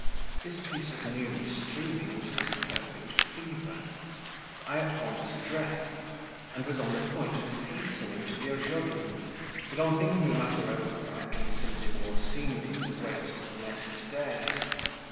This piece of news threw me into a perfect fever. I at once dressed, and was on the point of hastening to the Ozhogins', but on thinking the matter over I considered it more seemly to wait till the next day.